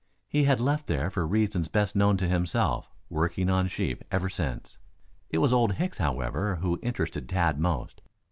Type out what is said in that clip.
He had left there for reasons best known to himself, working on sheep ever since. It was Old Hicks, however, who interested Tad most.